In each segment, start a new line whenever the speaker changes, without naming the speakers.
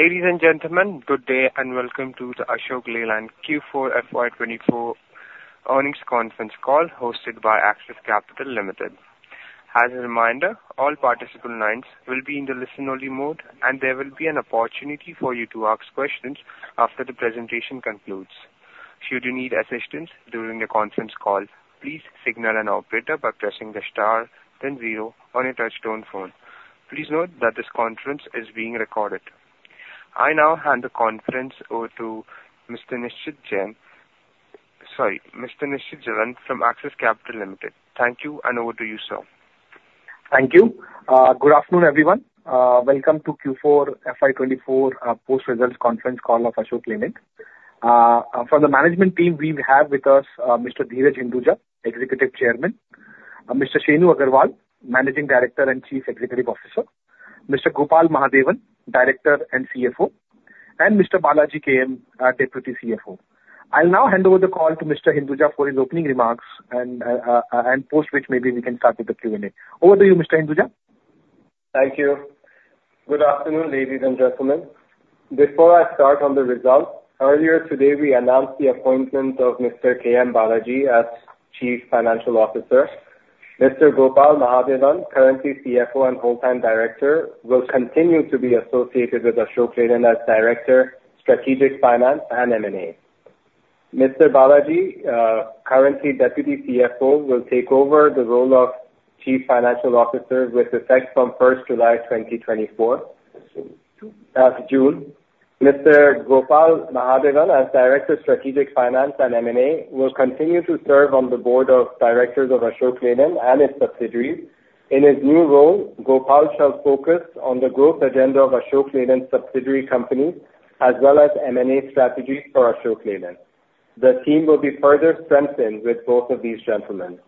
Ladies and gentlemen, good day, and welcome to the Ashok Leyland Q4 FY24 earnings conference call, hosted by Axis Capital Limited. As a reminder, all participant lines will be in the listen-only mode, and there will be an opportunity for you to ask questions after the presentation concludes. Should you need assistance during the conference call, please signal an operator by pressing the star then zero on your touchtone phone. Please note that this conference is being recorded. I now hand the conference over to Mr. Nishit Jalan. Sorry, Mr. Nishit Jalan from Axis Capital Limited. Thank you, and over to you, sir.
Thank you. Good afternoon, everyone. Welcome to Q4 FY24 post-results conference call of Ashok Leyland. From the management team, we have with us, Mr. Dheeraj Hinduja, Executive Chairman, Mr. Shenu Agarwal, Managing Director and Chief Executive Officer, Mr. Gopal Mahadevan, Director and CFO, and Mr. Balaji K M, Deputy CFO. I'll now hand over the call to Mr. Hinduja for his opening remarks and, and post which maybe we can start with the Q&A. Over to you, Mr. Hinduja.
Thank you. Good afternoon, ladies and gentlemen. Before I start on the results, earlier today, we announced the appointment of Mr. K M Balaji as Chief Financial Officer. Mr. Gopal Mahadevan, currently CFO and full-time Director, will continue to be associated with Ashok Leyland as Director, Strategic Finance and M&A. Mr. Balaji, currently Deputy CFO, will take over the role of Chief Financial Officer with effect from 1st June 2024. Mr. Gopal Mahadevan, as Director, Strategic Finance and M&A will continue to serve on the Board of Directors of Ashok Leyland and its subsidiaries. In his new role, Gopal shall focus on the growth agenda of Ashok Leyland subsidiary companies, as well as M&A strategies for Ashok Leyland. The team will be further strengthened with both of these gentlemen.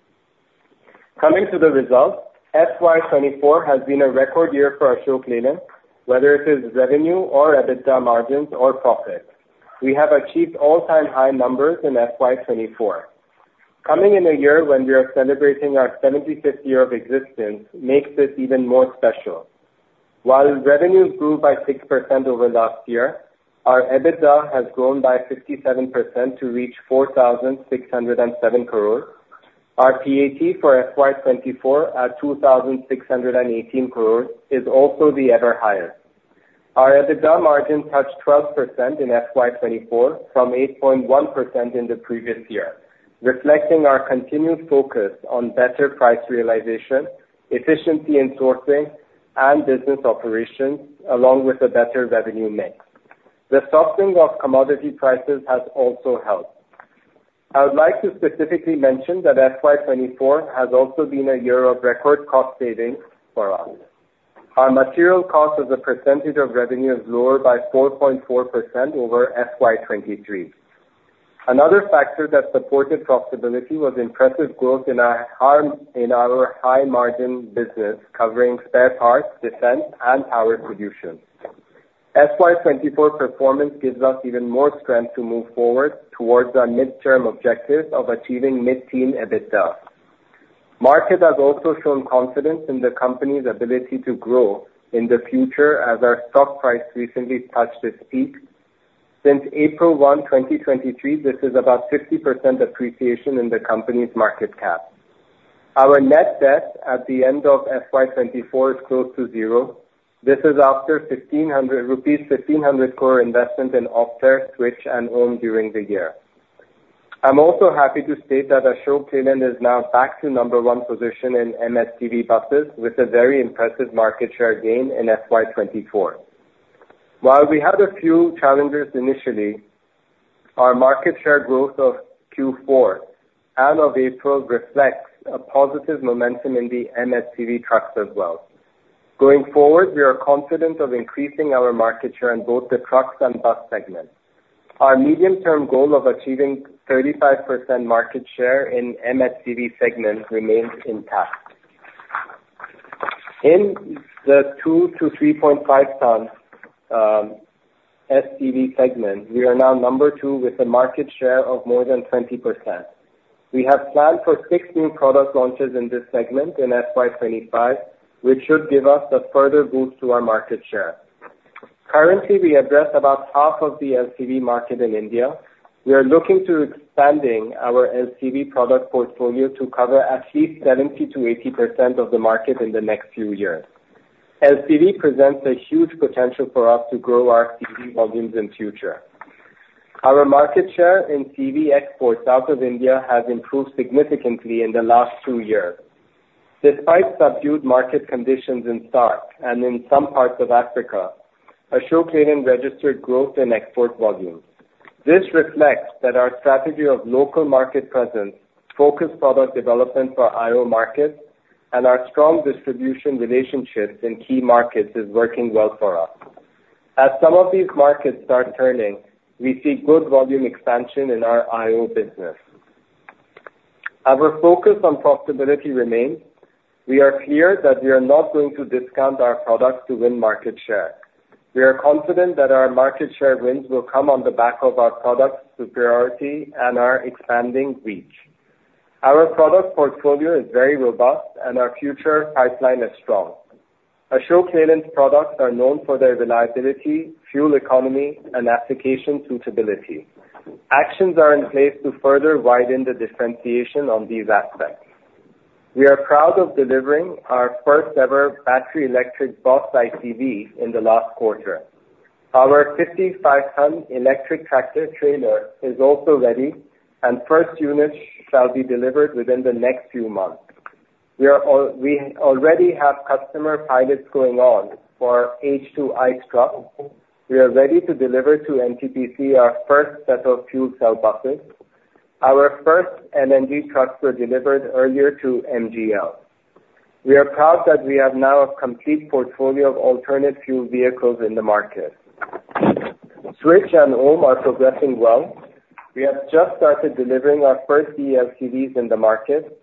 Coming to the result. FY24 has been a record year for Ashok Leyland, whether it is revenue or EBITDA margins or profit. We have achieved all-time high numbers in FY24. Coming in a year when we are celebrating our 75th year of existence makes this even more special. While revenue grew by 6% over last year, our EBITDA has grown by 57% to reach 4,607 crore. Our PAT for FY24 at 2,618 crore is also the ever higher. Our EBITDA margin touched 12% in FY24 from 8.1% in the previous year, reflecting our continued focus on better price realization, efficiency in sourcing and business operations along with a better revenue mix. The softening of commodity prices has also helped. I would like to specifically mention that FY24 has also been a year of record cost savings for us. Our material cost as a percentage of revenue is lower by 4.4% over FY23. Another factor that supported profitability was impressive growth in our high-margin business, covering spare parts, defense, and power solutions. FY24 performance gives us even more strength to move forward towards our midterm objective of achieving mid-teen EBITDA. Market has also shown confidence in the company's ability to grow in the future, as our stock price recently touched its peak. Since April 1, 2023, this is about 50% appreciation in the company's market cap. Our net debt at the end of FY24 is close to zero. This is after 1,500 crore rupees investment in Optare Switch and OHM during the year. I'm also happy to state that Ashok Leyland is now back to number one position in MHCV buses, with a very impressive market share gain in FY24. While we had a few challenges initially, our market share growth of Q4 and of April reflects a positive momentum in the MHCV trucks as well. Going forward, we are confident of increasing our market share in both the trucks and bus segments. Our medium-term goal of achieving 35% market share in MHCV segment remains intact. In the 2-3.5 ton SCV segment, we are now number two with a market share of more than 20%. We have planned for six new product launches in this segment in FY25, which should give us a further boost to our market share. Currently, we address about half of the LCV market in India. We are looking to expand our LCV product portfolio to cover at least 70%-80% of the market in the next few years. LCV presents a huge potential for us to grow our CV volumes in future. Our market share in CV exports out of India has improved significantly in the last two years. Despite subdued market conditions in SAARC and in some parts of Africa, Ashok Leyland registered growth in export volumes. This reflects that our strategy of local market presence, focused product development for IO markets, and our strong distribution relationships in key markets is working well for us. As some of these markets start turning, we see good volume expansion in our IO business. Our focus on profitability remains. We are clear that we are not going to discount our products to win market share. We are confident that our market share wins will come on the back of our product superiority and our expanding reach. Our product portfolio is very robust, and our future pipeline is strong. Ashok Leyland's products are known for their reliability, fuel economy and application suitability. Actions are in place to further widen the differentiation on these aspects. We are proud of delivering our first ever battery electric BOSS ICV in the last quarter. Our 55 ton electric tractor trailer is also ready, and first units shall be delivered within the next few months. We already have customer pilots going on for H2-ICE truck. We are ready to deliver to NTPC our first set of fuel cell buses. Our first LNG trucks were delivered earlier to MGL. We are proud that we have now a complete portfolio of alternate fuel vehicles in the market. Switch and OHM are progressing well. We have just started delivering our first eLCVs in the market.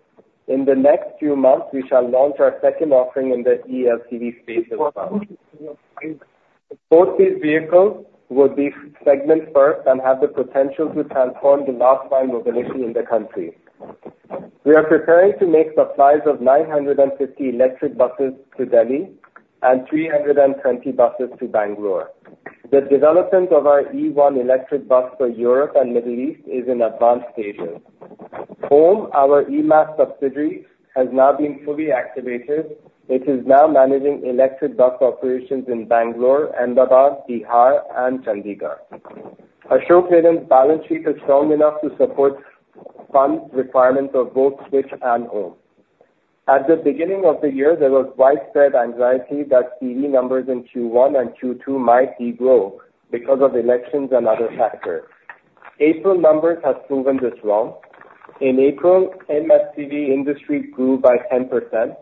In the next few months, we shall launch our second offering in the eLCV space as well. Both these vehicles will be segment first and have the potential to transform the last mile mobility in the country. We are preparing to make supplies of 950 electric buses to Delhi and 320 buses to Bangalore. The development of our E1 electric bus for Europe and Middle East is in advanced stages. OHM, our E-MaaS subsidiary, has now been fully activated. It is now managing electric bus operations in Bangalore, Ahmedabad, Bihar and Chandigarh. Ashok Leyland's balance sheet is strong enough to support fund requirements of both Switch and OHM. At the beginning of the year, there was widespread anxiety that CV numbers in Q1 and Q2 might degrow because of elections and other factors. April numbers has proven this wrong. In April, MHCV industry grew by 10%.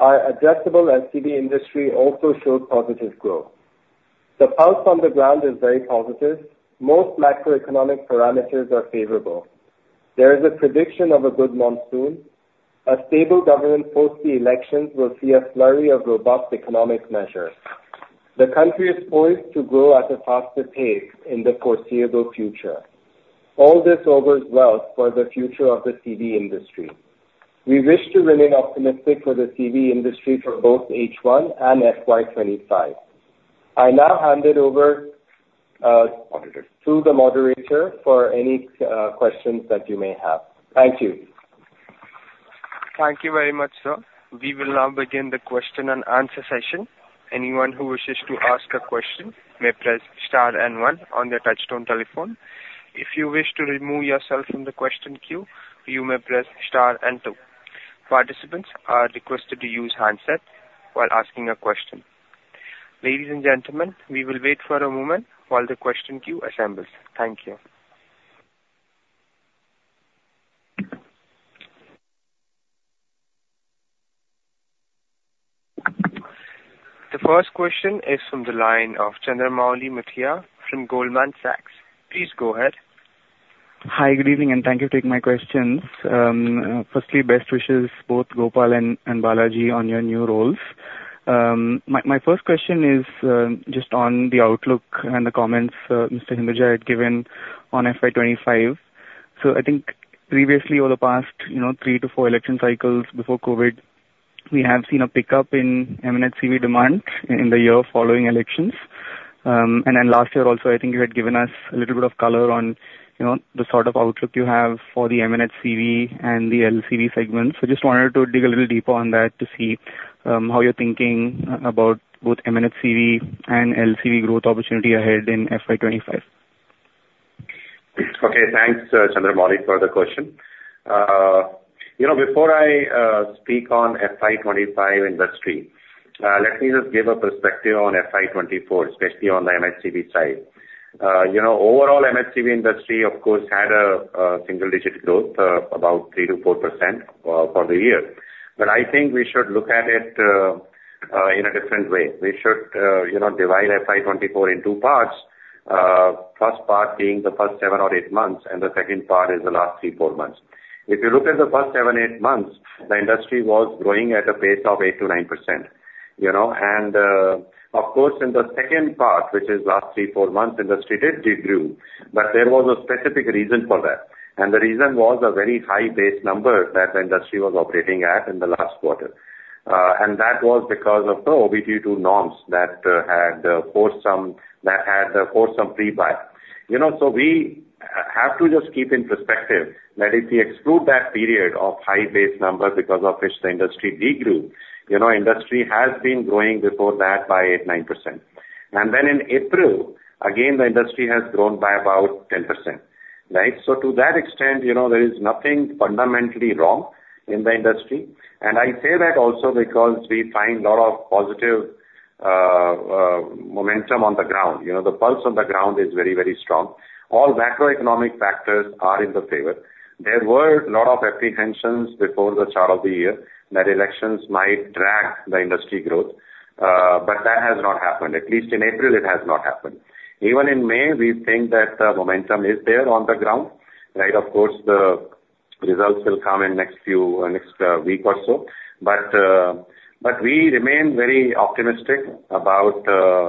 Our addressable LCV industry also showed positive growth. The pulse on the ground is very positive. Most macroeconomic parameters are favorable. There is a prediction of a good monsoon. A stable government post the elections will see a flurry of robust economic measures. The country is poised to grow at a faster pace in the foreseeable future. All this augurs well for the future of the CV industry. We wish to remain optimistic for the CV industry for both H1 and FY25. I now hand it over to the moderator for any questions that you may have. Thank you.
Thank you very much, sir. We will now begin the question-and-answer session. Anyone who wishes to ask a question may press star and one on their touch-tone telephone. If you wish to remove yourself from the question queue, you may press star and two. Participants are requested to use handset while asking a question. Ladies and gentlemen, we will wait for a moment while the question queue assembles. Thank you. The first question is from the line of Chandramouli Muthiah from Goldman Sachs. Please go ahead.
Hi, good evening, and thank you for taking my questions. Firstly, best wishes, both Gopal and Balaji, on your new roles. My first question is just on the outlook and the comments Mr. Hinduja had given on FY25. So, I think previously, over the past, you know, three to four election cycles before COVID, we have seen a pickup in M&HCV demand in the year following elections. And then last year also, I think you had given us a little bit of color on, you know, the sort of outlook you have for the MHCV and the LCV segments. So just wanted to dig a little deeper on that to see how you're thinking about both M&HCV and LCV growth opportunity ahead in FY25.
Okay, thanks, Chandramouli, for the question. You know, before I speak on FY25 industry, let me just give a perspective on FY24, especially on the M&HCV side. You know, overall, M&HCV side industry, of course, had a single-digit growth, about 3%-4%, for the year. But I think we should look at it in a different way. We should, you know, divide FY24 in two parts, first part being the first seven or eight months, and the second part is the last three to four months. If you look at the first seven to eight months, the industry was growing at a pace of 8%-9%, you know, and, of course, in the second part, which is last three to four months, industry did degrew, but there was a specific reason for that. The reason was a very high base number that the industry was operating at in the last quarter. And that was because of the OBD-II norms that had forced some pre-buy. You know, so we have to just keep in perspective that if we exclude that period of high base numbers, because of which the industry degrew, you know, industry has been growing before that by 8-9%. And then in April, again, the industry has grown by about 10%, right? So to that extent, you know, there is nothing fundamentally wrong in the industry, and I say that also because we find a lot of positive momentum on the ground. You know, the pulse on the ground is very, very strong. All macroeconomic factors are in our favor. There were a lot of apprehensions before the start of the year that elections might drag the industry growth, but that has not happened. At least in April, it has not happened. Even in May, we think that the momentum is there on the ground, right? Of course, the results will come in next few, next, week or so. But, but we remain very optimistic about,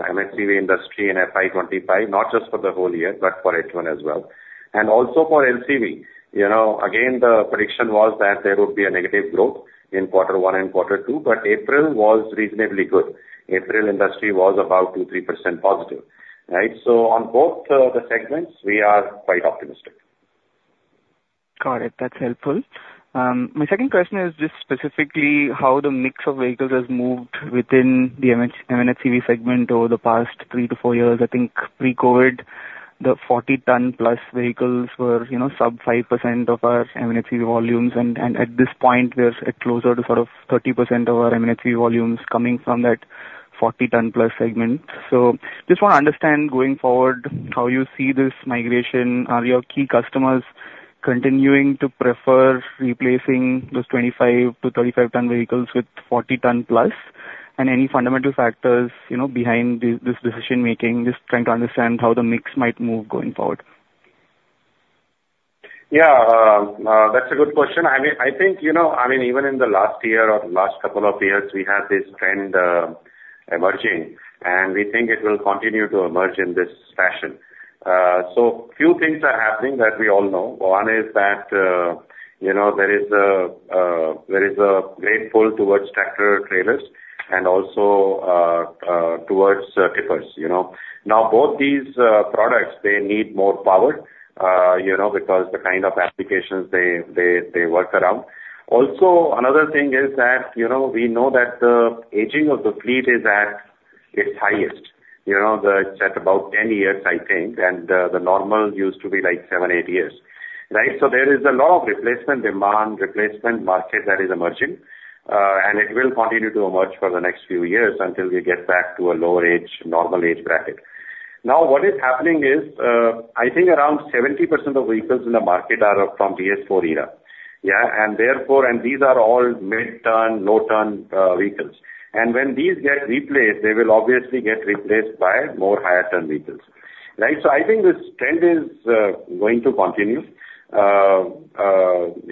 M&HCV industry in FY25, not just for the whole year, but for H1 as well, and also for LCV. You know, again, the prediction was that there would be a negative growth in Q1 and Q2, but April was reasonably good. April industry was about 2%-3% positive, right? So on both, the segments, we are quite optimistic.
Got it. That's helpful. My second question is just specifically how the mix of vehicles has moved within the M&HCV segment over the past three to four years. I think pre-COVID, the 40 ton plus vehicles were, you know, sub 5% of our M&HCV volumes, and at this point, they're at closer to sort of 30% of our M&HCV volumes coming from that 40 ton plus segment. So just want to understand going forward, how you see this migration. Are your key customers continuing to prefer replacing those 25-35 ton vehicles with 40 ton plus? And any fundamental factors, you know, behind this decision making? Just trying to understand how the mix might move going forward?
Yeah, that's a good question. I mean, I think, you know, I mean, even in the last year or the last couple of years, we had this trend, emerging, and we think it will continue to emerge in this fashion. So few things are happening that we all know. One is that, you know, there is a, there is a great pull towards tractor-trailers and also, towards, tippers, you know. Now, both these, products, they need more power, you know, because the kind of applications they work around. Also, another thing is that, you know, we know that the aging of the fleet is at its highest, you know, it's at about 10 years, I think, and the normal used to be, like seven, eight years, right? So there is a lot of replacement demand, replacement market that is emerging, and it will continue to emerge for the next few years until we get back to a lower age, normal age bracket. Now, what is happening is, I think around 70% of vehicles in the market are from BS-IV era, yeah? And therefore—and these are all mid-ton, low-ton vehicles and when these get replaced, they will obviously get replaced by more higher-ton vehicles, right? So, I think this trend is, going to continue.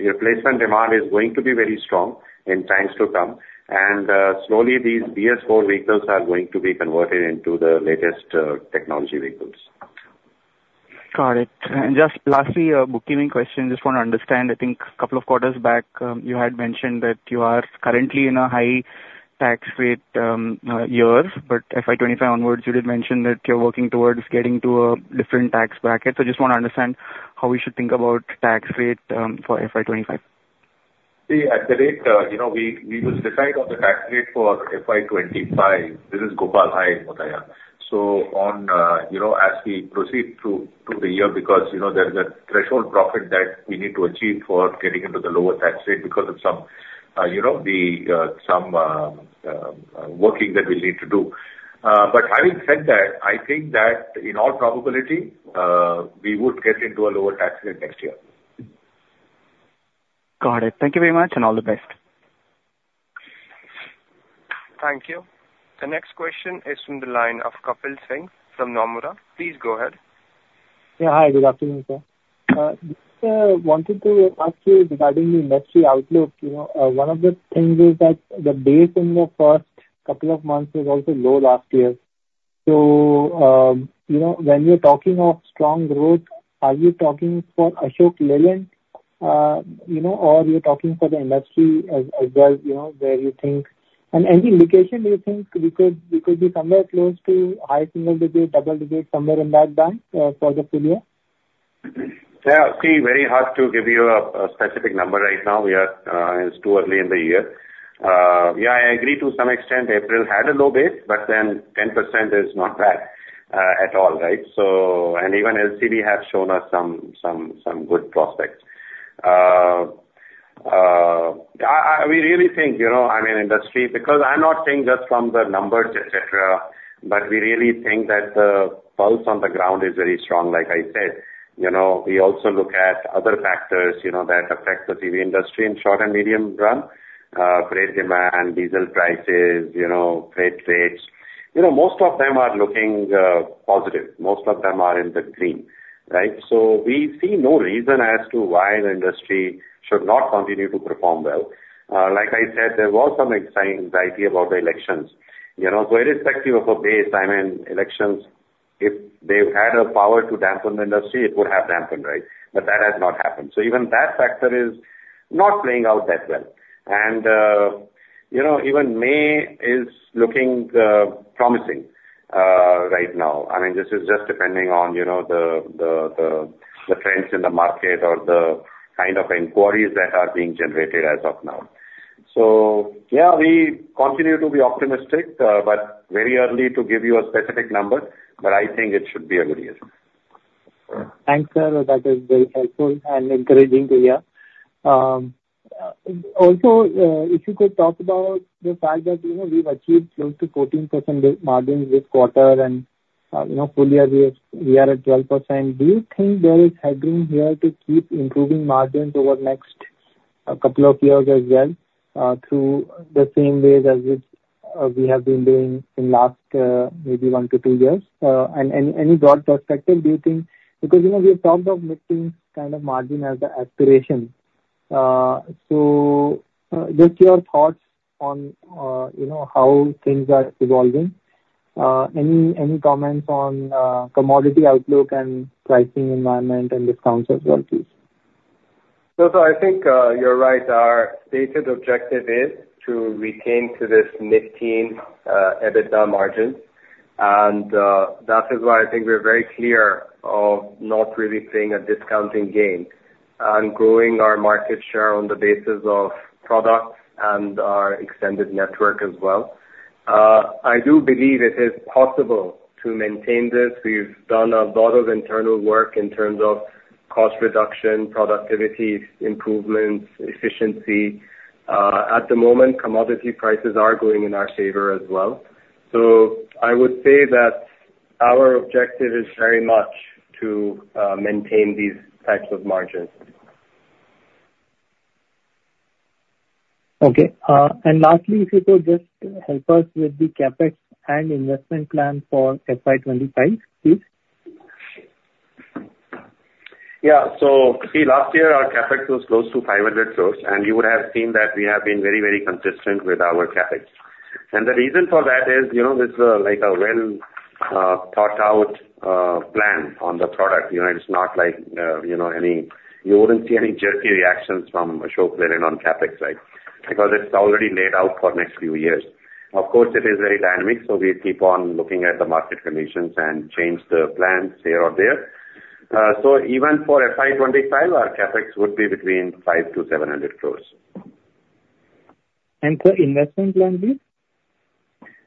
Replacement demand is going to be very strong in times to come, and, slowly, these BS-IV vehicles are going to be converted into the latest, technology vehicles.
Got it. And just lastly, a bookkeeping question. Just want to understand, I think a couple of quarters back, you had mentioned that you are currently in a high tax rate years, but FY25 onwards, you did mention that you're working towards getting to a different tax bracket. So just want to understand how we should think about tax rate for FY25.
See, at the rate, you know, we will decide on the tax rate for FY25. This is Gopal. Hi, Muthiah. So on, you know, as we proceed through the year, because, you know, there is a threshold profit that we need to achieve for getting into the lower tax rate because of some, you know, the, some working that we need to do. But having said that, I think that in all probability, we would get into a lower tax rate next year.
Got it. Thank you very much, and all the best.
Thank you. The next question is from the line of Kapil Singh from Nomura. Please go ahead.
Yeah, hi. Good afternoon, sir. Just wanted to ask you regarding the industry outlook, you know, one of the things is that the base in the first couple of months was also low last year. So, you know, when you're talking of strong growth, are you talking for Ashok Leyland, you know, or you're talking for the industry as well, you know, where you think? And any indication you think we could, we could be somewhere close to high single digit, double digit, somewhere in that band, for the full year?
Yeah. See, very hard to give you a specific number right now. We are, it's too early in the year. Yeah, I agree to some extent, April had a low base, but then 10% is not bad at all, right? So—and even LCV has shown us some good prospects. We really think, you know, I mean, industry, because I'm not saying just from the numbers, et cetera, but we really think that the pulse on the ground is very strong, like I said. You know, we also look at other factors, you know, that affect the CV industry in short and medium run, freight demand, diesel prices, you know, freight rates. You know, most of them are looking positive. Most of them are in the green, right? So we see no reason as to why the industry should not continue to perform well. Like I said, there was some anxiety about the elections, you know. So irrespective of a base, I mean, elections, if they've had a power to dampen the industry, it would have dampened, right? But that has not happened. So even that factor is not playing out that well. And, you know, even May is looking promising right now. I mean, this is just depending on, you know, the trends in the market or the kind of inquiries that are being generated as of now. So yeah, we continue to be optimistic, but very early to give you a specific number, but I think it should be a good year.
Thanks, sir. That is very helpful and encouraging to hear. Also, if you could talk about the fact that, you know, we've achieved close to 14% margins this quarter, and, you know, full year we are at 12%. Do you think there is headroom here to keep improving margins over next couple of years as well, through the same ways as which we have been doing in last, maybe one to two years. And any broad perspective, do you think, because, you know, we have talked of making kind of margin as the aspiration. So, just your thoughts on, you know, how things are evolving. Any comments on commodity outlook and pricing environment and discounts as well, please?
So, I think you're right. Our stated objective is to retain to this mid-teen EBITDA margin. That is why I think we're very clear of not really playing a discounting game and growing our market share on the basis of products and our extended network as well. I do believe it is possible to maintain this. We've done a lot of internal work in terms of cost reduction, productivity improvements, efficiency. At the moment, commodity prices are going in our favor as well. So I would say that our objective is very much to maintain these types of margins.
Okay. And lastly, if you could just help us with the CapEx and investment plan for FY25, please.
Yeah. So see, last year, our CapEx was close to 500 crore, and you would have seen that we have been very, very consistent with our CapEx. And the reason for that is, you know, this is like a well thought out plan on the product. You know, it's not like you know, any... You wouldn't see any jerky reactions from Ashok Leyland on CapEx, right? Because it's already laid out for next few years. Of course, it is very dynamic, so we keep on looking at the market conditions and change the plans here or there. So even for FY 2025, our CapEx would be between 500-700 crore.
And the investment plan be?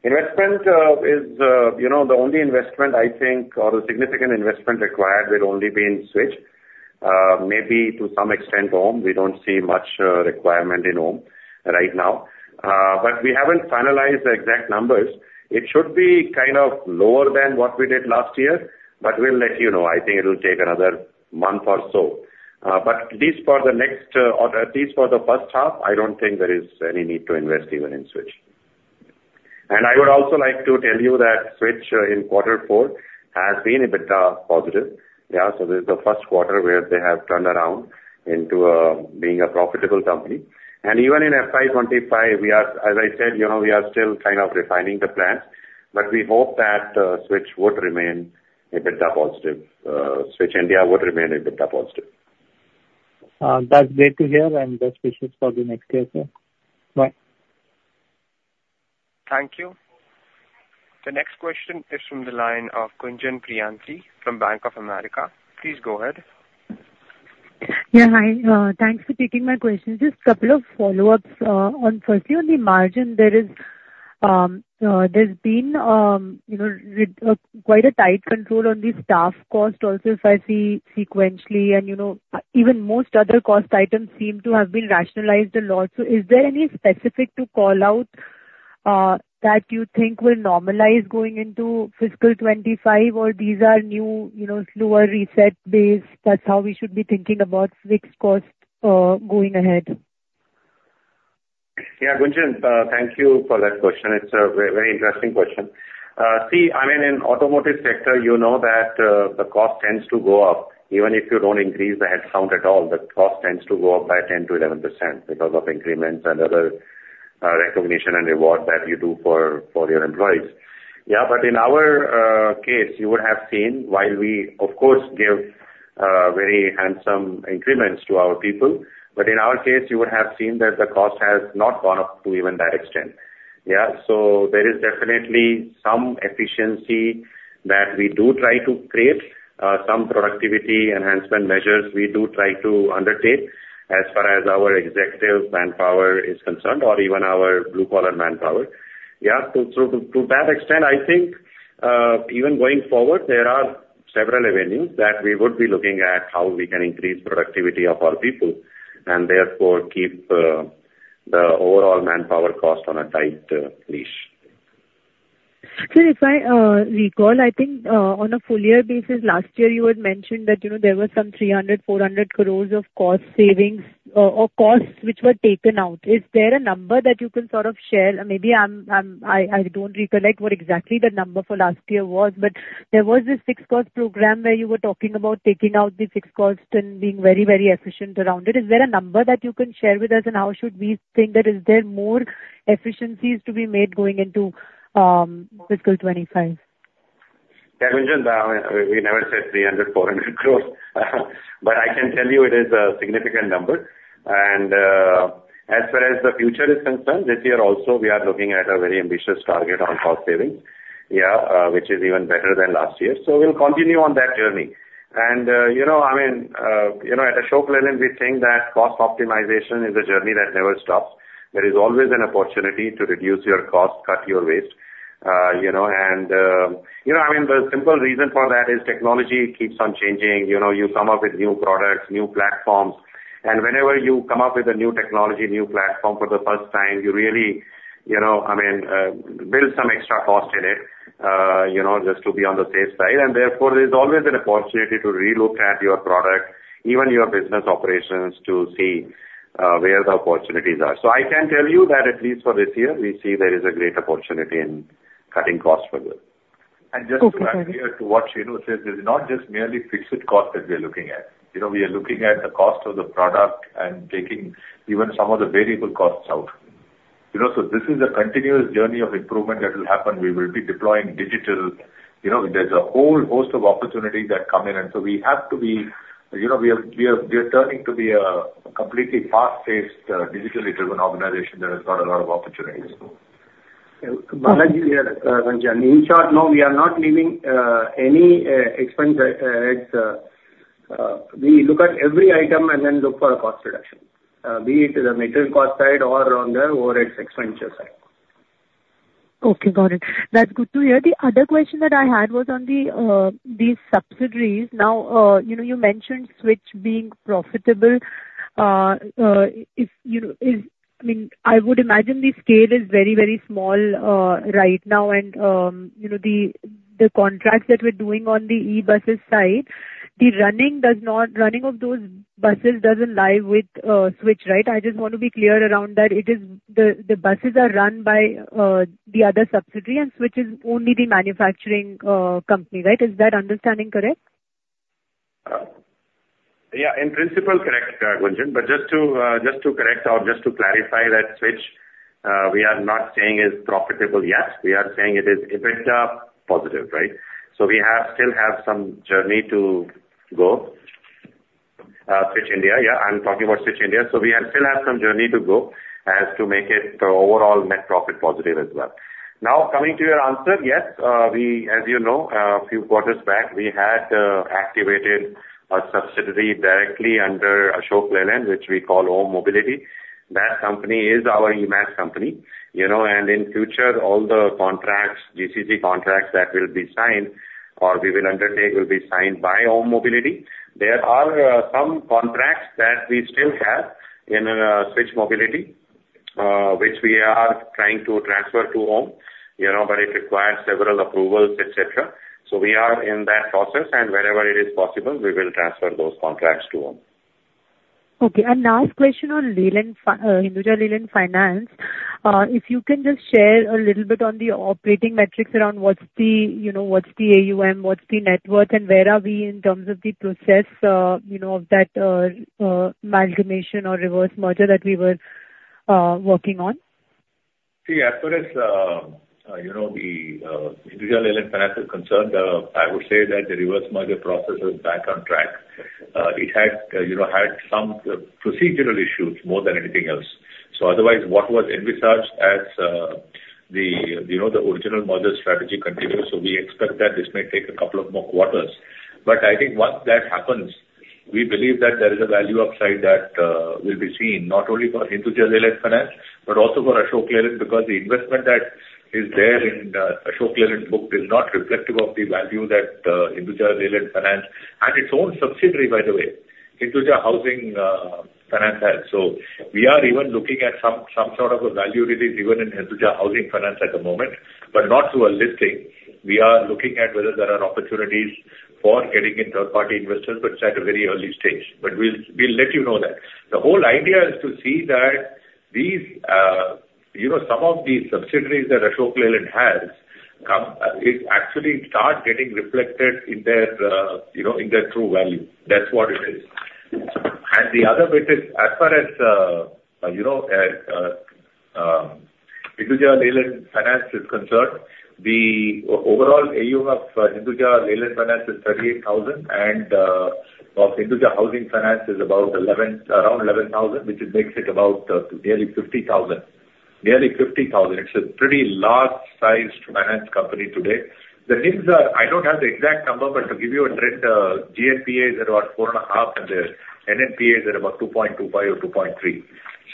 Investment is, you know, the only investment I think, or a significant investment required, will only be in Switch. Maybe to some extent, OHM, we don't see much requirement in OHM right now, but we haven't finalized the exact numbers. It should be kind of lower than what we did last year, but we'll let you know. I think it'll take another month or so. But at least for the next, or at least for the first half, I don't think there is any need to invest even in Switch. And I would also like to tell you that Switch in quarter four has been EBITDA positive. Yeah, so this is the Q1 where they have turned around into being a profitable company. Even in FY25, we are, as I said, you know, we are still kind of refining the plans, but we hope that Switch would remain EBITDA positive. Switch India would remain EBITDA positive.
That's great to hear, and best wishes for the next year, sir. Bye.
Thank you. The next question is from the line of Gunjan Prithyani from Bank of America. Please go ahead.
Yeah, hi. Thanks for taking my question. Just a couple of follow-ups. On firstly, on the margin, there is, there's been, you know, quite a tight control on the staff cost also, if I see sequentially, and, you know, even most other cost items seem to have been rationalized a lot. So is there any specific to call out, that you think will normalize going into fiscal 25, or these are new, you know, slower reset base, that's how we should be thinking about fixed cost, going ahead?
Yeah, Gunjan, thank you for that question. It's a very interesting question. See, I mean, in automotive sector, you know that, the cost tends to go up. Even if you don't increase the headcount at all, the cost tends to go up by 10%-11% because of increments and other recognition and reward that you do for your employees. Yeah, but in our case, you would have seen, while we of course give very handsome increments to our people, but in our case, you would have seen that the cost has not gone up to even that extent. Yeah? So there is definitely some efficiency that we do try to create, some productivity enhancement measures we do try to undertake as far as our executive manpower is concerned, or even our blue-collar manpower. Yeah. So, to that extent, I think, even going forward, there are several avenues that we would be looking at how we can increase productivity of our people, and therefore, keep the overall manpower cost on a tight leash.
Sir, if I recall, I think, on a full year basis, last year you had mentioned that, you know, there were some 300-400 crore of cost savings, or costs which were taken out. Is there a number that you can sort of share? Maybe I don't recollect what exactly the number for last year was, but there was this fixed cost program where you were talking about taking out the fixed costs and being very, very efficient around it. Is there a number that you can share with us, and how should we think there is more efficiencies to be made going into, fiscal 25?
Yeah, Gunjan, we never said 300-400 crore. But I can tell you it is a significant number. As far as the future is concerned, this year also, we are looking at a very ambitious target on cost savings, yeah, which is even better than last year. We'll continue on that journey. You know, I mean, you know, at Ashok Leyland, we think that cost optimization is a journey that never stops. There is always an opportunity to reduce your costs, cut your waste, you know, and, you know, I mean, the simple reason for that is technology keeps on changing. You know, you come up with new products, new platforms, and whenever you come up with a new technology, new platform for the first time, you really, you know, I mean, build some extra cost in it, you know, just to be on the safe side, and therefore, there's always an opportunity to relook at your product, even your business operations, to see where the opportunities are. So I can tell you that at least for this year, we see there is a great opportunity in cutting costs further.
And just to add here, to what Shenu says, it's not just merely fixed cost that we are looking at. You know, we are looking at the cost of the product and taking even some of the variable costs out. You know, so this is a continuous journey of improvement that will happen. We will be deploying digital. You know, there's a whole host of opportunities that come in, and so we have to be—you know, we are, we are, we are turning to be a completely fast-paced, digitally driven organization. There is not a lot of opportunities.
Balaji here, Gunjan. In short, no, we are not leaving any expense heads. We look at every item and then look for a cost reduction, be it the material cost side or on the overhead expenditure side.
Okay, got it. That's good to hear. The other question that I had was on the subsidiaries. Now, you know, you mentioned Switch being profitable. If, you know, if... I mean, I would imagine the scale is very, very small right now. And, you know, the contracts that we're doing on the e-buses side, running of those buses doesn't lie with Switch, right? I just want to be clear around that. It is the buses are run by the other subsidiary, and Switch is only the manufacturing company, right? Is that understanding correct?
Yeah, in principle, correct, Gunjan. But just to just to correct or just to clarify that Switch we are not saying is profitable yet. We are saying it is EBITDA positive, right? So we have, still have some journey to go. Switch India, yeah, I'm talking about Switch India. So we are still have some journey to go as to make it the overall net profit positive as well. Now, coming to your answer, yes, we as you know, a few quarters back, we had activated a subsidiary directly under Ashok Leyland, which we call OHM Mobility. That company is our E-MaaS company, you know, and in future, all the contracts, GCC contracts that will be signed or we will undertake, will be signed by OHM Mobility. There are some contracts that we still have in Switch Mobility, which we are trying to transfer to OHM, you know, but it requires several approvals, et cetera. So we are in that process, and wherever it is possible, we will transfer those contracts to OHM.
Okay. And last question on Hinduja Leyland Finance. If you can just share a little bit on the operating metrics around what's the AUM, what's the net worth, and where are we in terms of the process, you know, of that amalgamation or reverse merger that we were working on?
See, as far as you know, the Hinduja Leyland Finance is concerned, I would say that the reverse merger process is back on track. It had, you know, some procedural issues more than anything else. So otherwise, what was envisaged as the original model strategy continues. So we expect that this may take a couple of more quarters. But I think once that happens, we believe that there is a value upside that will be seen not only for Hinduja Leyland Finance, but also for Ashok Leyland, because the investment that is there in the Ashok Leyland book is not reflective of the value that Hinduja Leyland Finance, and its own subsidiary, by the way, Hinduja Housing Finance has. So we are even looking at some sort of a value release even in Hinduja Housing Finance at the moment, but not through a listing. We are looking at whether there are opportunities for getting in third-party investors, but it's at a very early stage, but we'll let you know that. The whole idea is to see that these, you know, some of these subsidiaries that Ashok Leyland has, actually start getting reflected in their, you know, in their true value. That's what it is. And the other bit is, as far as, you know, Hinduja Leyland Finance is concerned, the overall AUM of Hinduja Leyland Finance is 38,000 crore, and of Hinduja Housing Finance is about 11,000, around 11,000, which makes it about nearly 50,000. Nearly 50,000. It's a pretty large-sized finance company today. The NIMs are, I don't have the exact number, but to give you a trend, GNPA is about 4.5, and the NNPA is at about 2.25 or 2.3.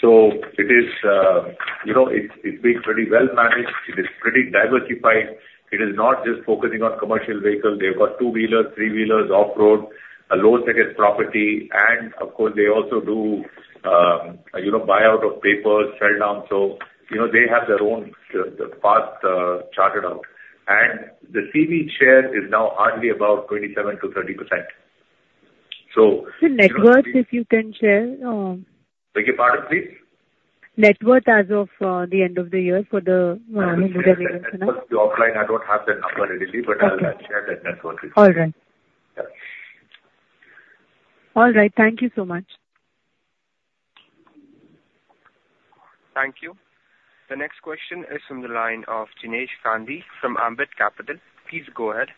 So it is, you know, it's, it's been pretty well managed. It is pretty diversified. It is not just focusing on commercial vehicles. They've got two-wheelers, three-wheelers, off-road, a Loan Against Property, and of course, they also do, you know, buy out of papers, sell down. So, you know, they have their own, path, charted out. And the CV share is now hardly about 27%-30%.
The net worth, if you can share?
Beg your pardon, please?
Net worth as of the end of the year for the Hinduja Leyland Finance.
Offline, I don't have that number readily-
Okay.
But I'll share that net worth with you.
All right.
Yeah.
All right. Thank you so much.
Thank you. The next question is from the line of Jinesh Gandhi from Ambit Capital. Please go ahead.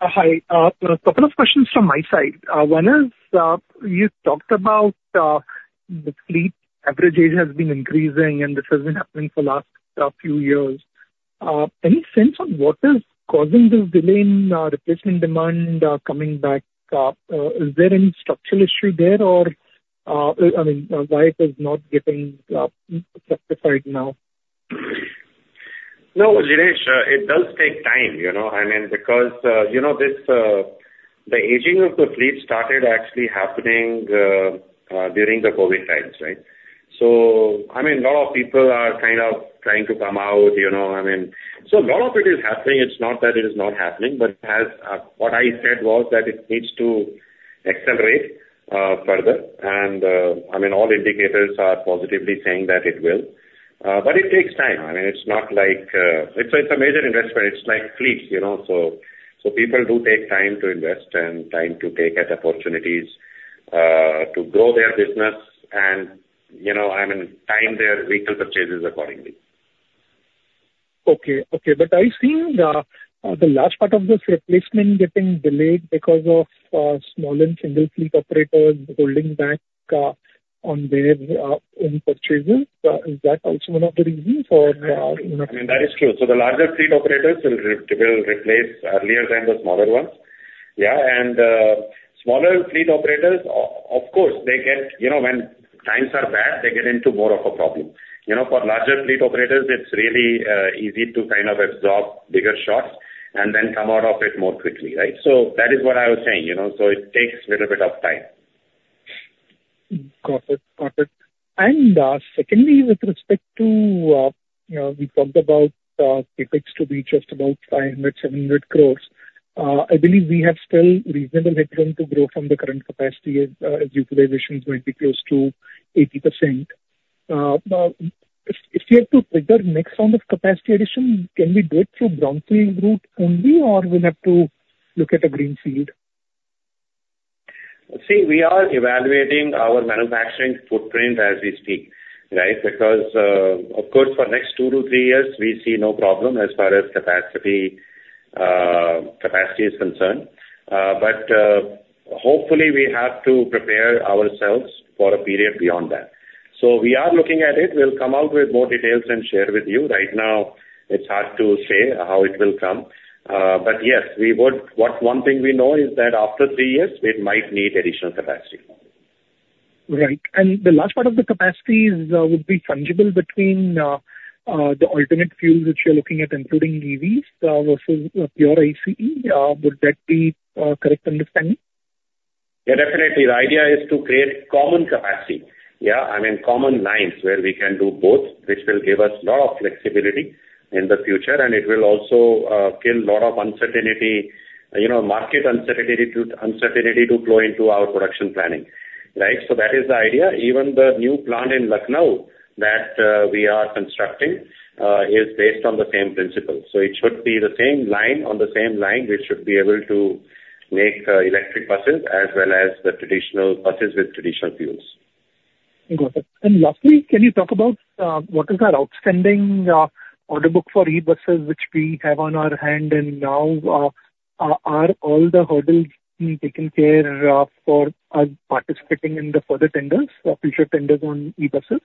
Hi. A couple of questions from my side. One is, you talked about, the fleet average age has been increasing, and this has been happening for the last few years. Any sense on what is causing this delay in replacement demand coming back? Is there any structural issue there, or, I mean, why it is not getting justified now?
No, Jinesh, it does take time, you know, I mean, because, you know, this, the aging of the fleet started actually happening during the COVID times, right? So, I mean, a lot of people are kind of trying to come out, you know, I mean. So a lot of it is happening. It's not that it is not happening, but as what I said was that it needs to accelerate further. And I mean, all indicators are positively saying that it will. But it takes time. I mean, it's not like... It's a major investment. It's like fleets, you know, so people do take time to invest and time to take at opportunities to grow their business and, you know, I mean, time their vehicle purchases accordingly.
Okay. Okay. But are you seeing the large part of this replacement getting delayed because of small and single fleet operators holding back on their own purchases? Is that also one of the reasons or, you know—
I mean, that is true. So the larger fleet operators will they will replace earlier than the smaller ones. Yeah, and smaller fleet operators, of course, they get, you know, when times are bad, they get into more of a problem. You know, for larger fleet operators, it's really easy to kind of absorb bigger shocks and then come out of it more quickly, right? So that is what I was saying, you know, so it takes a little bit of time.
Got it. Got it. Secondly, with respect to, you know, we talked about, CapEx to be just about 500-700 crore. I believe we have still reasonable headroom to grow from the current capacity as utilization is going to be close to 80%. If we have to trigger next round of capacity addition, can we do it through brownfield route only, or we'll have to look at a greenfield?
See, we are evaluating our manufacturing footprint as we speak, right? Because, of course, for next two to three years, we see no problem as far as capacity, capacity is concerned. But, hopefully, we have to prepare ourselves for a period beyond that. So we are looking at it. We'll come out with more details and share with you. Right now, it's hard to say how it will come. But yes, we would-- what-- one thing we know is that after three years, we might need additional capacity.
Right. And the large part of the capacities would be fungible between the alternate fuels which you're looking at, including EVs, versus pure ICE. Would that be correct understanding?
Yeah, definitely. The idea is to create common capacity. Yeah, I mean, common lines where we can do both, which will give us lot of flexibility in the future, and it will also kill lot of uncertainty, you know, market uncertainty to uncertainty to flow into our production planning, right? So that is the idea. Even the new plant in Lucknow that we are constructing is based on the same principle. So it should be the same line, on the same line, we should be able to make electric buses as well as the traditional buses with traditional fuels.
Got it. And lastly, can you talk about what is our outstanding order book for e-buses, which we have on our hand, and now are all the hurdles being taken care for participating in the further tenders, the future tenders on e-buses?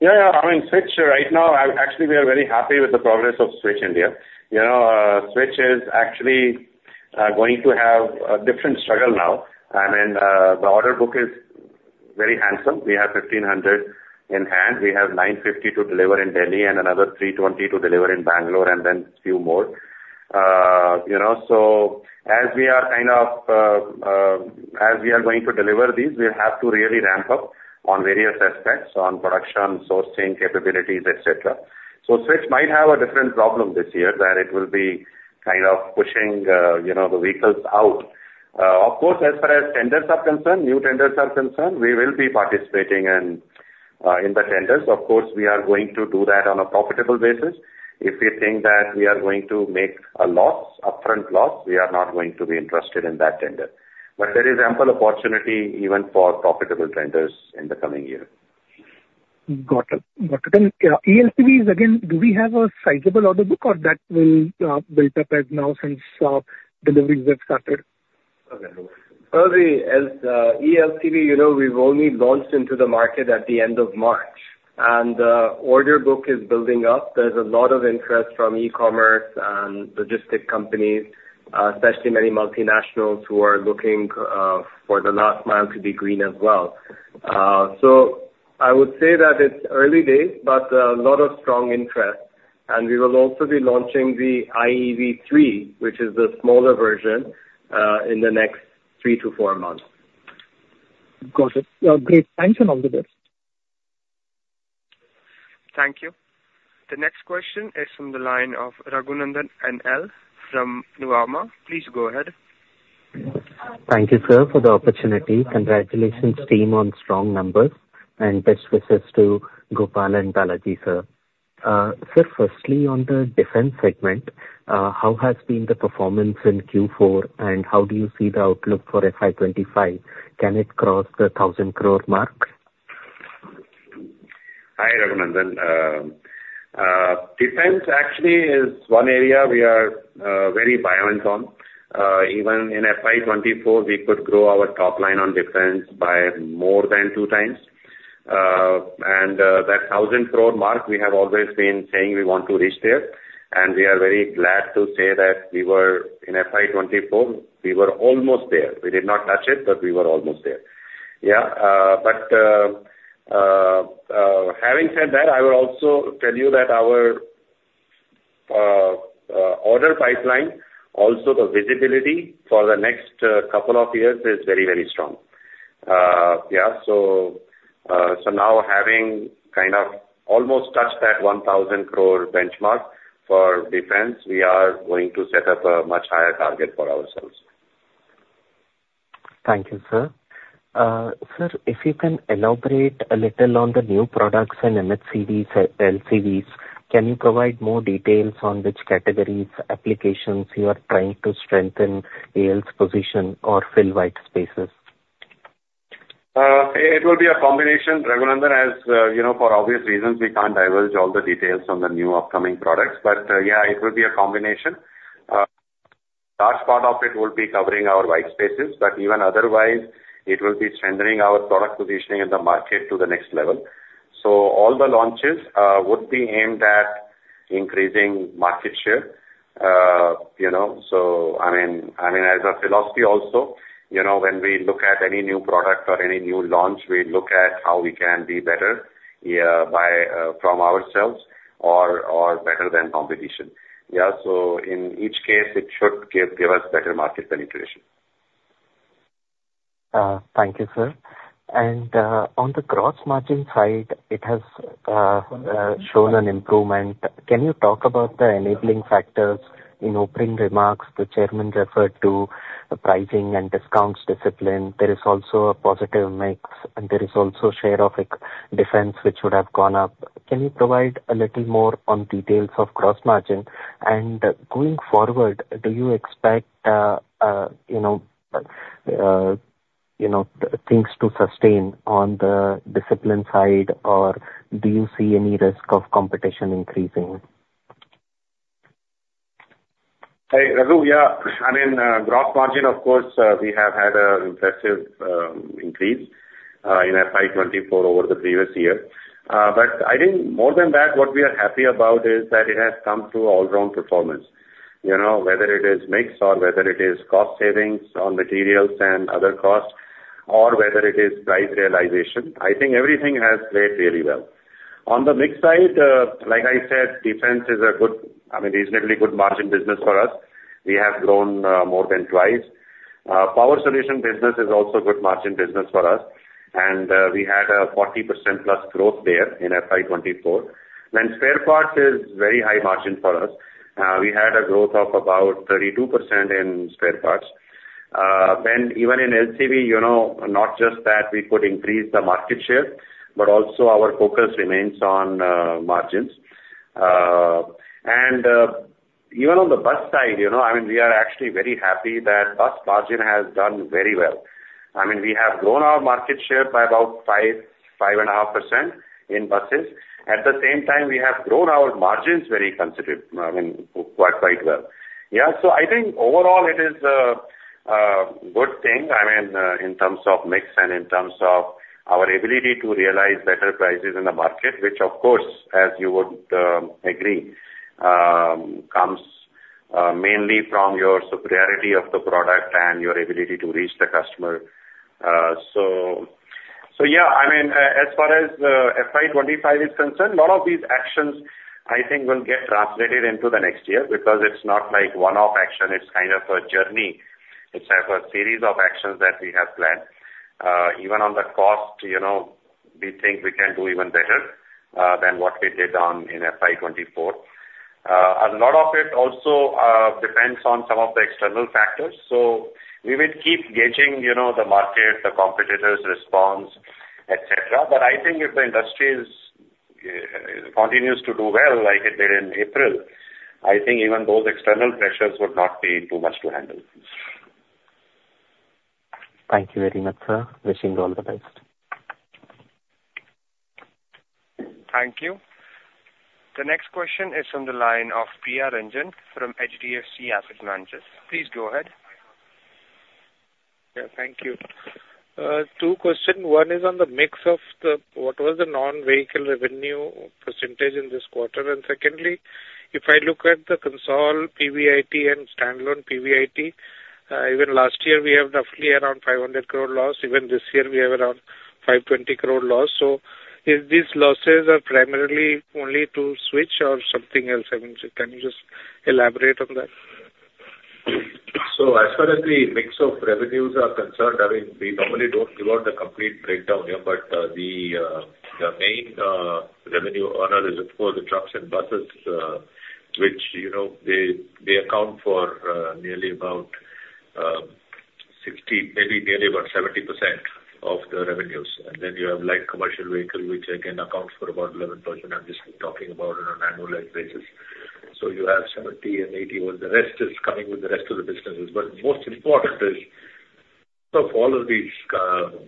Yeah, yeah. I mean, Switch right now, I actually, we are very happy with the progress of Switch India. You know, Switch is actually going to have a different struggle now. I mean, the order book is very handsome. We have 1,500 in hand. We have 950 to deliver in Delhi and another 320 to deliver in Bangalore, and then few more. You know, so as we are kind of, as we are going to deliver these, we have to really ramp up on various aspects, on production, sourcing, capabilities, et cetera. So, Switch might have a different problem this year, where it will be kind of pushing, you know, the vehicles out. Of course, as far as tenders are concerned, new tenders are concerned, we will be participating in, in the tenders. Of course, we are going to do that on a profitable basis. If we think that we are going to make a loss, upfront loss, we are not going to be interested in that tender. But there is ample opportunity even for profitable tenders in the coming year.
Got it. Got it. And, eLCVs again, do we have a sizable order book, or that will build up as now since deliveries have started?
Okay. Well, the eLCV, you know, we've only launched into the market at the end of March, and the order book is building up. There's a lot of interest from e-commerce and logistics companies, especially many multinationals who are looking for the last mile to be green as well. So I would say that it's early days, but a lot of strong interest, and we will also be launching the IeV 3, which is the smaller version, in the next three to four months.
Got it. Great. Thanks, and all the best.
Thank you. The next question is from the line of Raghunandhan N.L. from Nuvama. Please go ahead.
Thank you, sir, for the opportunity. Congratulations, team, on strong numbers, and best wishes to Gopal and Balaji, sir. Sir, firstly, on the defense segment, how has been the performance in Q4, and how do you see the outlook for FY25? Can it cross the 1,000 crore mark?
Hi, Raghunandhan. Defense actually is one area we are very buoyant on. Even in FY24, we could grow our top line on defense by more than two times. And that 1,000 crore mark, we have always been saying we want to reach there, and we are very glad to say that we were, in FY24, we were almost there. We did not touch it, but we were almost there. Yeah, but having said that, I will also tell you that our order pipeline, also the visibility for the next couple of years is very, very strong. Yeah, so, so now having kind of almost touched that 1,000 crore benchmark for defense, we are going to set up a much higher target for ourselves.
Thank you, sir. Sir, if you can elaborate a little on the new products in MHCVs, LCVs, can you provide more details on which categories, applications you are trying to strengthen AL's position or fill white spaces?
It will be a combination, Raghunandhan, as you know, for obvious reasons, we can't divulge all the details on the new upcoming products, but, yeah, it will be a combination. Large part of it will be covering our white spaces, but even otherwise, it will be strengthening our product positioning in the market to the next level. So all the launches would be aimed at increasing market share. You know, so I mean, I mean, as a philosophy also, you know, when we look at any new product or any new launch, we look at how we can be better, yeah, by, from ourselves or, or better than competition. Yeah, so in each case, it should give, give us better market penetration.
Thank you, sir. And, on the gross margin side, it has shown an improvement. Can you talk about the enabling factors? In opening remarks, the chairman referred to the pricing and discounts discipline. There is also a positive mix, and there is also share of defense, which would have gone up. Can you provide a little more on details of gross margin? And going forward, do you expect, you know, things to sustain on the discipline side, or do you see any risk of competition increasing?
Hi, Raghu. Yeah, I mean, gross margin, of course, we have had an impressive, increase, in FY24 over the previous year. But I think more than that, what we are happy about is that it has come to all-round performance. You know, whether it is mix or whether it is cost savings on materials and other costs, or whether it is price realization, I think everything has played really well. On the mix side, like I said, defense is a good, I mean, reasonably good margin business for us. We have grown, more than twice. Power solution business is also a good margin business for us, and, we had a 40%+ growth there in FY24. Then spare parts is very high margin for us. We had a growth of about 32% in spare parts. Then even in LCV, you know, not just that we could increase the market share, but also our focus remains on margins. And even on the bus side, you know, I mean, we are actually very happy that bus margin has done very well. I mean, we have grown our market share by about 5-5.5% in buses. At the same time, we have grown our margins very considerably, I mean, quite, quite well. Yeah, so I think overall, it is a good thing, I mean in terms of mix and in terms of our ability to realize better prices in the market, which of course, as you would agree, comes mainly from your superiority of the product and your ability to reach the customer. So, so yeah, I mean, as far as FY25 is concerned, a lot of these actions, I think, will get translated into the next year, because it's not like one-off action, it's kind of a journey. It's like a series of actions that we have planned. Even on the cost, you know, we think we can do even better than what we did in FY24. A lot of it also depends on some of the external factors. So we will keep gauging, you know, the market, the competitors' response, et cetera. But I think if the industry continues to do well, like it did in April, I think even those external pressures would not be too much to handle.
Thank you very much, sir. Wishing you all the best.
Thank you. The next question is from the line of Priya Ranjan from HDFC Asset Managers. Please go ahead.
Yeah, thank you. Two questions. One is on the mix of the, what was the non-vehicle revenue percentage in this quarter? And secondly, if I look at the consol PBIT and standalone PBIT, even last year, we have roughly around 500 crore loss. Even this year, we have around 520 crore loss. So if these losses are primarily only to switch or something else, I mean, can you just elaborate on that?
So as far as the mix of revenues are concerned, I mean, we normally don't give out the complete breakdown here, but, the, the main, revenue earner is, of course, the trucks and buses, which, you know, they, they account for, nearly about, 60, maybe nearly about 70% of the revenues. And then you have light commercial vehicle, which again, accounts for about 11%. I'm just talking about it on an annualized basis. So, you have 70 and 80, well, the rest is coming with the rest of the businesses. But most important is, of all of these,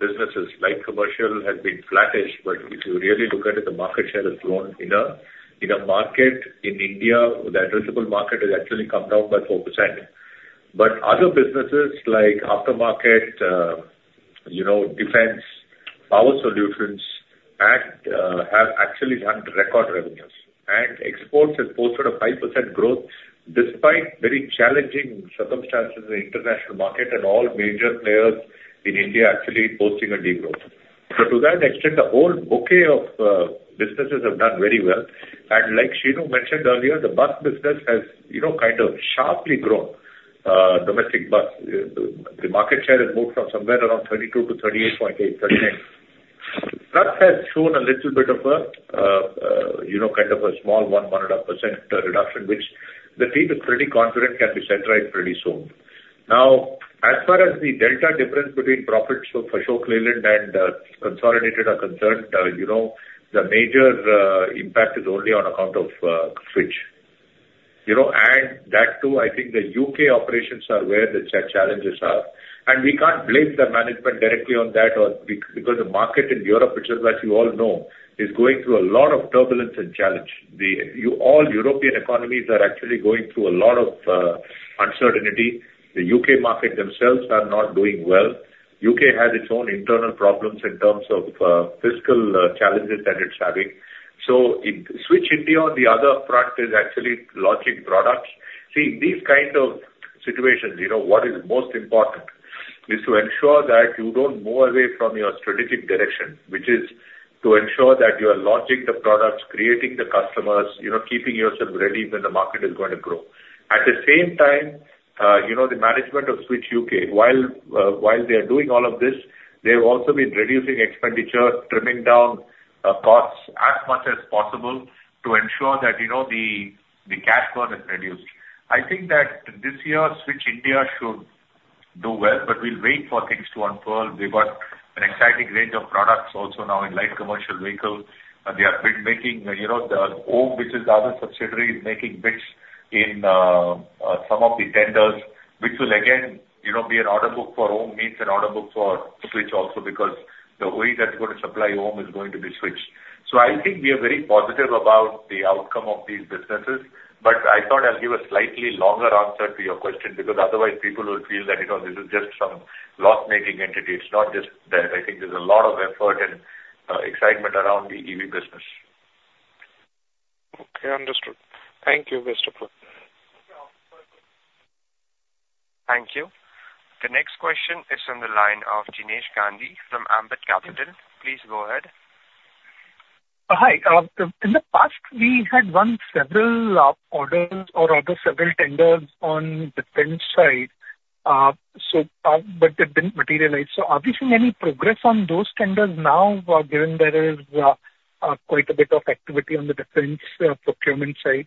businesses, light commercial has been flattish, but if you really look at it, the market share has grown in a, in a market in India, the addressable market has actually come down by 4%. But other businesses like aftermarket, you know, defense, power solutions, have actually done record revenues. Exports has posted a 5% growth despite very challenging circumstances in the international market and all major players in India actually posting a de-growth. So to that extent, the whole bouquet of businesses have done very well. And like Shenu mentioned earlier, the bus business has, you know, kind of sharply grown, domestic bus. The market share has moved from somewhere around 32 to 38.8, 38. Trucks has shown a little bit of a, you know, kind of a small 1%-1.5%, reduction, which the team is pretty confident can be reversed pretty soon. Now, as far as the delta difference between profits for Ashok Leyland and consolidated are concerned, you know, the major impact is only on account of Switch. You know, and that, too, I think the U.K. operations are where the challenges are. And we can't blame the management directly on that or because the market in Europe, which as you all know, is going through a lot of turbulence and challenge. The, you all European economies are actually going through a lot of uncertainty. The U.K. market themselves are not doing well. U.K. has its own internal problems in terms of fiscal challenges that it's having. So it, Switch India, on the other front, is actually launching products. See, these kind of situations, you know, what is most important is to ensure that you don't move away from your strategic direction, which is to ensure that you are launching the products, creating the customers, you know, keeping yourself ready when the market is going to grow. At the same time, you know, the management of Switch UK, while they are doing all of this, they've also been reducing expenditure, trimming down costs as much as possible to ensure that, you know, the cash burn is reduced. I think that this year, Switch India should do well, but we'll wait for things to unfurl. We've got an exciting range of products also now in light commercial vehicles. They have been making, you know, the OHM, which is the other subsidiary, is making bids in some of the tenders, which will again, you know, be an order book for OHM, means an order book for Switch also, because the OE that's going to supply OHM is going to be Switch. So I think we are very positive about the outcome of these businesses, but I thought I'd give a slightly longer answer to your question, because otherwise people will feel that, you know, this is just some loss-making entity. It's not just that. I think there's a lot of effort and excitement around the EV business.
Okay, understood. Thank you, Christopher.
Thank you. The next question is from the line of Jinesh Gandhi from Ambit Capital. Please go ahead.
Hi. In the past, we had won several orders or rather several tenders on defense side, so but they've been materialized. So are we seeing any progress on those tenders now, given there is quite a bit of activity on the defense procurement side?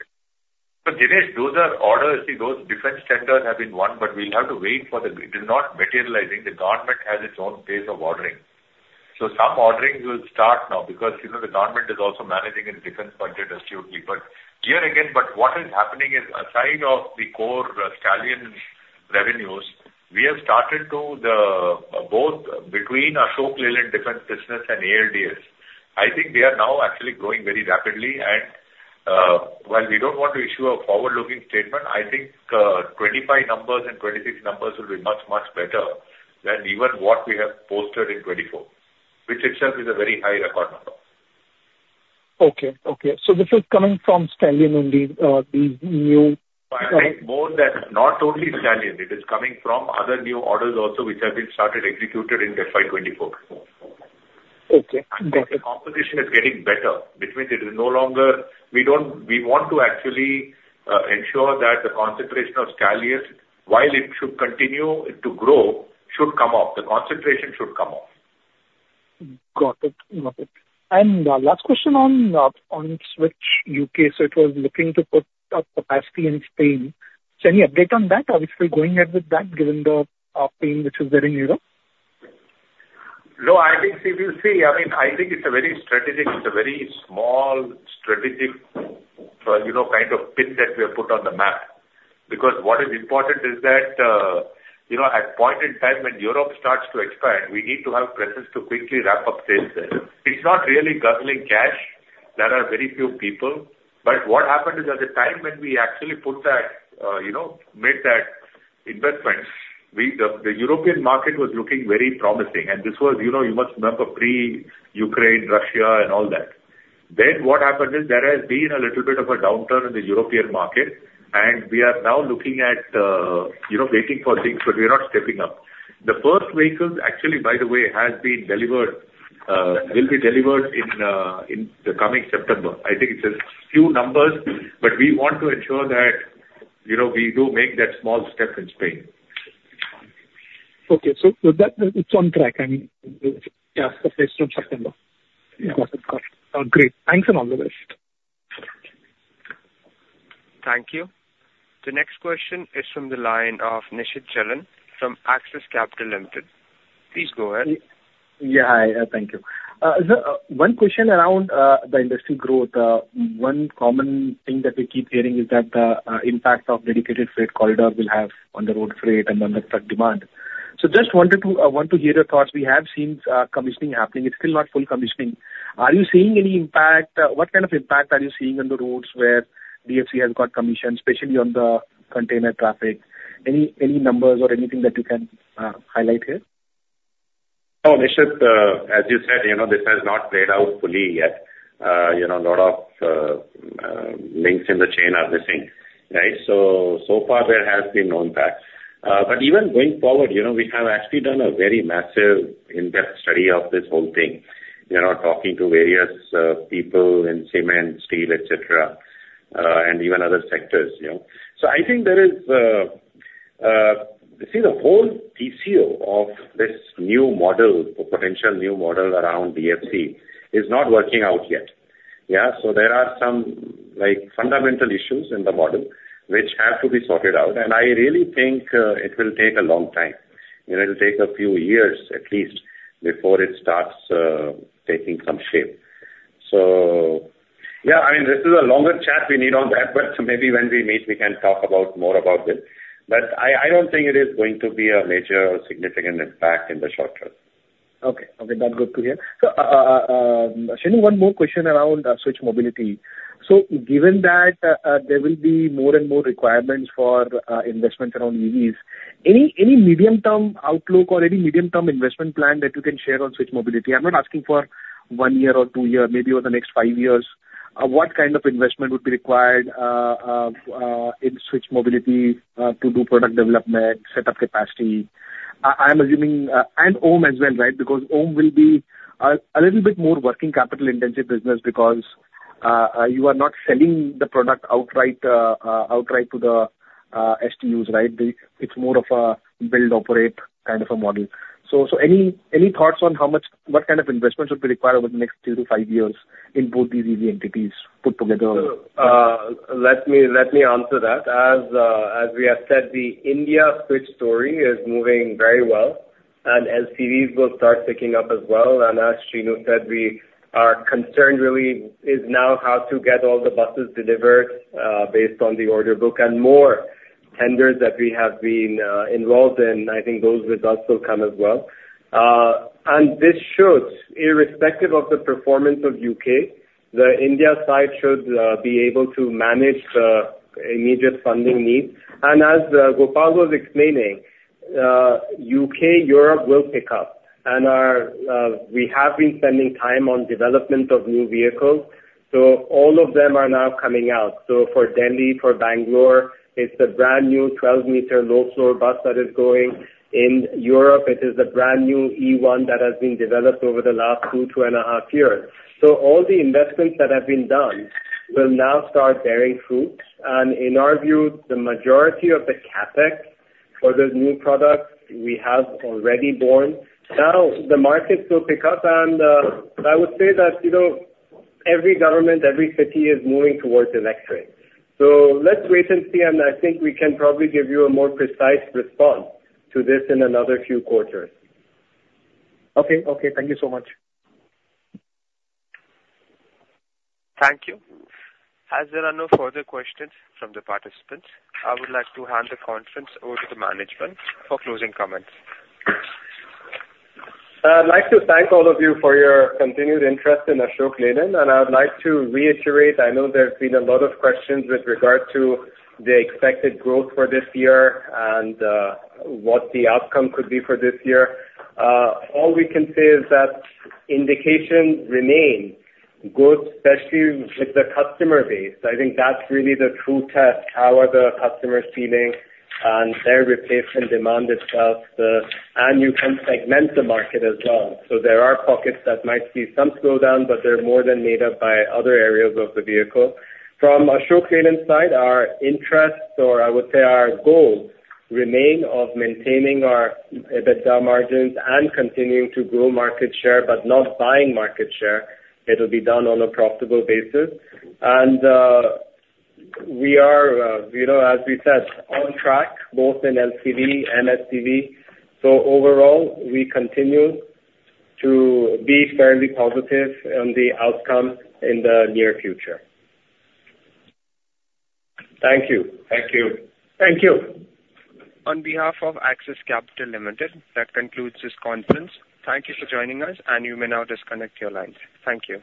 So, Jinesh, those are orders. See, those defense tenders have been won, but we'll have to wait for the—it is not materializing. The government has its own pace of ordering. So some ordering will start now because, you know, the government is also managing its defense budget astutely. But here again, but what is happening is, aside of the core, Stallion revenues, we have started to the, both between Ashok Leyland defense business and ALDS. I think they are now actually growing very rapidly, and, while we don't want to issue a forward-looking statement, I think, 2025 numbers and 2026 numbers will be much, much better than even what we have posted in 2024, which itself is a very high record number.
Okay. Okay. So this is coming from Stallion, only, the new-
I think more than, not totally Stallion. It is coming from other new orders also, which have been started, executed in FY24.
Okay. Got it.
The competition is getting better, which means it is no longer—we don't—we want to actually, ensure that the concentration of Stallion, while it should continue it to grow, should come off. The concentration should come off.
Got it. Got it. And last question on on Switch U.K. So it was looking to put up capacity in Spain. So any update on that? Are we still going ahead with that given the pain which is very, you know?
No, I think if you see, I mean, I think it's a very strategic, it's a very small strategic, you know, kind of pin that we have put on the map. Because what is important is that, you know, at point in time when Europe starts to expand, we need to have presence to quickly ramp up sales there. It's not really guzzling cash. There are very few people, but what happened is, at the time when we actually put that, you know, made that investment, we, the European market was looking very promising, and this was, you know, you must remember pre-Ukraine, Russia, and all that. Then what happened is there has been a little bit of a downturn in the European market, and we are now looking at, you know, waiting for things, but we are not stepping up. The first vehicles, actually, by the way, has been delivered, will be delivered in, in the coming September. I think it's a few numbers, but we want to ensure that, you know, we do make that small step in Spain.
Okay. So with that, it's on track and, yeah, so placed on September.
Yeah.
Got it. Got it. Great! Thanks and all the best.
Thank you. The next question is from the line of Nishit Jalan from Axis Capital Limited. Please go ahead.
Yeah, hi. Thank you. Sir, one question around the industry growth. One common thing that we keep hearing is that the impact of Dedicated Freight Corridor will have on the road freight and on the truck demand. So just wanted to want to hear your thoughts. We have seen commissioning happening. It's still not full commissioning. Are you seeing any impact? What kind of impact are you seeing on the roads where DFC has got commissioned, especially on the container traffic? Any numbers or anything that you can highlight here?
So, Nishit, as you said, you know, this has not played out fully yet. You know, a lot of links in the chain are missing, right? So, so far there has been no impact. But even going forward, you know, we have actually done a very massive in-depth study of this whole thing. You know, talking to various people in cement, steel, et cetera, and even other sectors, you know. So, I think there is, see, the whole TCO of this new model or potential new model around DFC is not working out yet. Yeah, so there are some, like, fundamental issues in the model, which have to be sorted out, and I really think it will take a long time, and it'll take a few years, at least, before it starts taking some shape. So yeah, I mean, this is a longer chat we need on that, but maybe when we meet, we can talk about more about this. But I, I don't think it is going to be a major or significant impact in the short term.
Okay. Okay, that's good to hear. So, Shenu, one more question around Switch Mobility. So given that, there will be more and more requirements for investments around EVs, any medium-term outlook or any medium-term investment plan that you can share on Switch Mobility? I'm not asking for one year or two year, maybe over the next five years. What kind of investment would be required in Switch Mobility to do product development, set up capacity? I'm assuming and OHM as well, right? Because OHM will be a little bit more working capital-intensive business because you are not selling the product outright to the STUs, right? It's more of a build, operate kind of a model. So, any thoughts on how much, what kind of investments would be required over the next two to five years in both these EV entities put together?
So, let me answer that. As we have said, the India Switch story is moving very well, and LCVs will start picking up as well. And as Shenu said, we. Our concern really is now how to get all the buses delivered, based on the order book and more tenders that we have been involved in. I think those results will come as well. And this should, irrespective of the performance of U.K., the India side should be able to manage the immediate funding needs. And as Gopal was explaining, U.K., Europe will pick up, and our, we have been spending time on development of new vehicles, so all of them are now coming out. So. for Delhi, for Bangalore, it's a brand-new 12-meter low-floor bus that is going. In Europe, it is a brand-new e1 that has been developed over the last 2, 2.5 years. So all the investments that have been done will now start bearing fruit, and in our view, the majority of the CapEx for those new products we have already borne. Now, the markets will pick up, and I would say that, you know, every government, every city, is moving towards electric. So let's wait and see, and I think we can probably give you a more precise response to this in another few quarters.
Okay. Okay, thank you so much.
Thank you. As there are no further questions from the participants, I would like to hand the conference over to the management for closing comments.
I'd like to thank all of you for your continued interest in Ashok Leyland, and I would like to reiterate. I know there have been a lot of questions with regard to the expected growth for this year and what the outcome could be for this year. All we can say is that indications remain good, especially with the customer base. I think that's really the true test. How are the customers feeling and their replacement demand itself, and you can segment the market as well. So there are pockets that might see some slowdown, but they're more than made up by other areas of the vehicle. From Ashok Leyland's side, our interests, or I would say our goals, remain of maintaining our EBITDA margins and continuing to grow market share, but not buying market share. It'll be done on a profitable basis. We are, you know, as we said, on track, both in LCV and LTV. Overall, we continue to be fairly positive on the outcome in the near future. Thank you. Thank you.
Thank you.
On behalf of Axis Capital Limited, that concludes this conference. Thank you for joining us, and you may now disconnect your lines. Thank you.